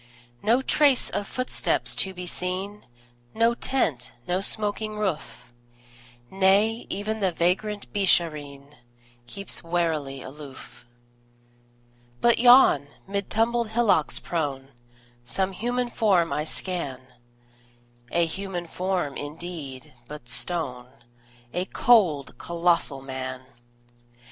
No trace of footsteps to be seen, No tent, no smoking roof; Nay, even the vagrant Beeshareen Keeps warily aloof. But yon, mid tumbled hillocks prone, Some human form I scan A human form, indeed, but stone: A cold, colossal Man!